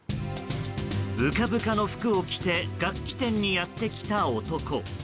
ぶかぶかの服を着て楽器店にやってきた男。